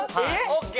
ＯＫ